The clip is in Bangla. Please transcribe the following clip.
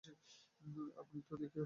আপনি তো দেখি খুব মজার মানুষ!